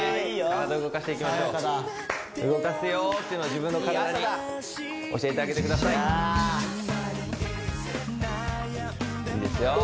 体動かしていきましょう動かすよっていうのを自分の体に教えてあげてくださいいいですよ